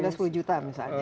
sudah setengah juta